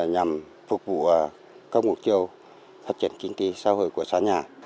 nhằm phục vụ các mục tiêu phát triển kinh tế xã hội của xã nhà